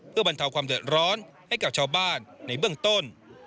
เพื่อบรรเทาความเดือดร้อนให้กับชาวบ้านในเบื้องต้น